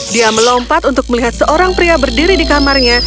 dia melompat untuk melihat seorang pria berdiri di kamarnya